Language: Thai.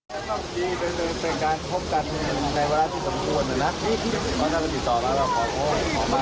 แล้วต้องคุยกันต้องคุยข้างกลางมากเนี่ยถ้ามันมันก็จะอย่างไรเหรอคะ